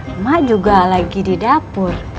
emak juga lagi di dapur